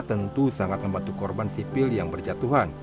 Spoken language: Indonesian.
tentu sangat membantu korban sipil yang berjatuhan